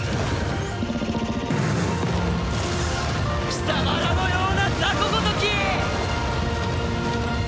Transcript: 貴様らのような雑魚ごとき！